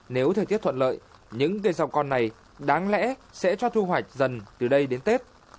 nếu thời tiết thuận lợi những cây rau con này đáng lẽ sẽ cho thu hoạch dần từ đây đến tết